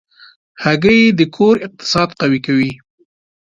هګۍ د کور اقتصاد قوي کوي.